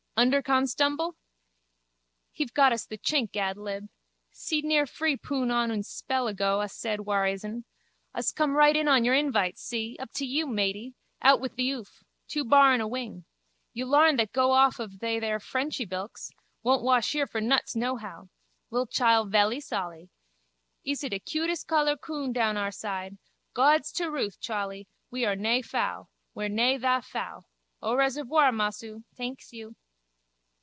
Underconstumble? He've got the chink ad lib. Seed near free poun on un a spell ago a said war hisn. Us come right in on your invite, see? Up to you, matey. Out with the oof. Two bar and a wing. You larn that go off of they there Frenchy bilks? Won't wash here for nuts nohow. Lil chile velly solly. Ise de cutest colour coon down our side. Gawds teruth, Chawley. We are nae fou. We're nae tha fou. Au reservoir, mossoo. Tanks you.